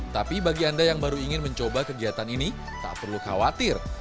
tapi bagi anda yang baru ingin mencoba kegiatan ini tak perlu khawatir